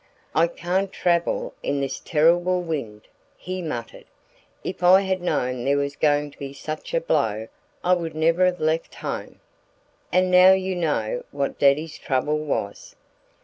"I can't travel in this terrible wind!" he muttered. "If I had known there was going to be such a blow I would never have left home." And now you know what Daddy's trouble was.